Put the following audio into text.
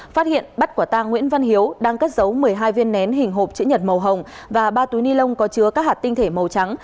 phát hiện bắt quả tang nguyễn văn hiếu đang cất giấu một mươi hai viên nén hình hộp chữ nhật màu hồng và ba túi ni lông có chứa các hạt tinh thể màu trắng